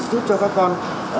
giúp cho các con